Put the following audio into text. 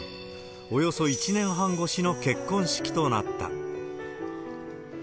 およそ１年半越しの結婚式となった。